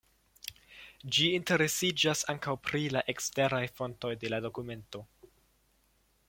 Ĝi interesiĝas ankaŭ pri la eksteraj fontoj de la dokumento.